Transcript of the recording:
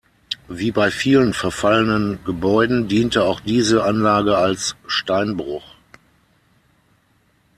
Wie bei vielen verfallenen Gebäuden diente auch diese Anlage als Steinbruch.